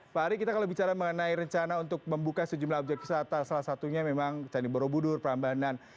pak ari kita kalau bicara mengenai rencana untuk membuka sejumlah objek wisata salah satunya memang candi borobudur prambanan